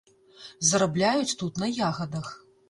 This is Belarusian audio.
Зарабляюць тут на ягадах.